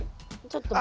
ちょっと。